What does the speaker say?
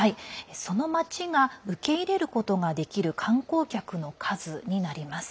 そのまちが受け入れることができる観光客の数になります。